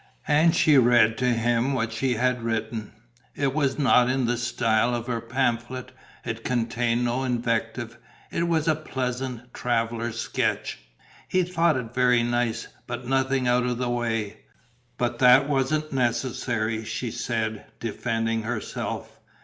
And she read to him what she had written. It was not in the style of her pamphlet. It contained no invective; it was a pleasant traveller's sketch. He thought it very nice, but nothing out of the way. But that wasn't necessary, she said, defending herself.